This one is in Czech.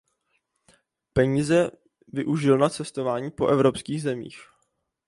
Peníze využil na cestování po evropských zemích.